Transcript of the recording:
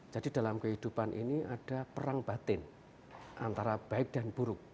jadi dalam kehidupan ini ada perang batin antara baik dan buruk